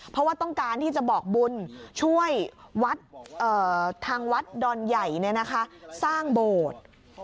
เพราะว่าต้องการที่จะบอกบุญช่วยวัดทางวัดดอนใหญ่สร้างโบสถ์